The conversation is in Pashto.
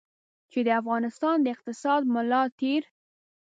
چې د افغانستان د اقتصاد ملا تېر.